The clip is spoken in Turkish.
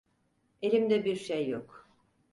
Elimde bir şey yok.